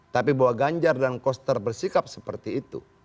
tapi bahwa ganjar dan koster bersikap seperti itu